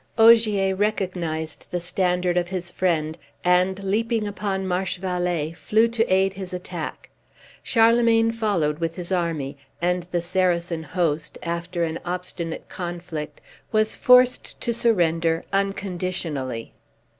Ogier recognized the standard of his friend, and leaping upon Marchevallee, flew to aid his attack. Charlemagne followed with his army; and the Saracen host, after an obstinate conflict, was forced to surrender unconditionally.